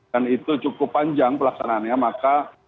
dan itu cukup panjang pelaksanaannya maka